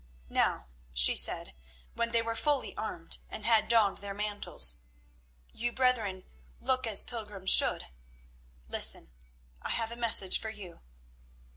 "Now," she said, when they were fully armed and had donned their mantles, "you brethren look as pilgrims should. Listen, I have a message for you.